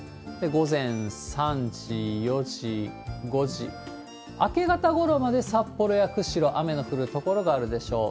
午前３時、４時、５時、明け方ごろまで札幌や釧路、雨の降る所があるでしょう。